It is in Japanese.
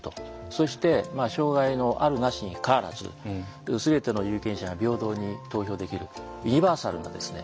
そして障害のあるなしにかかわらず全ての有権者が平等に投票できるユニバーサルなですね